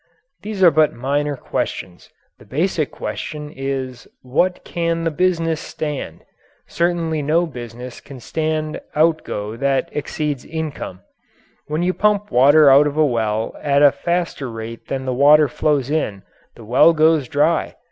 These are but minor questions. The basic question is "What can the business stand?" Certainly no business can stand outgo that exceeds its income. When you pump water out of a well at a faster rate than the water flows in, the well goes dry.